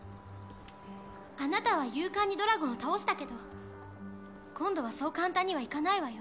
あなたは勇敢にドラゴンを倒したけど今度はそう簡単にはいかないわよ